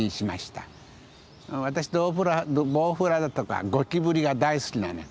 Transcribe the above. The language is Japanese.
私孑孑だとかゴキブリが大好きなの。